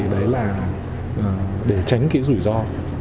đấy là để tránh cái rủi ro